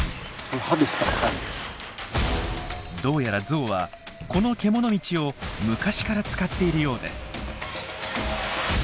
どうやらゾウはこのけもの道を昔から使っているようです。